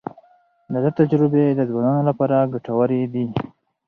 د ده تجربې د ځوانانو لپاره ګټورې دي.